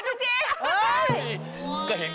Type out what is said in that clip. ลูกครอง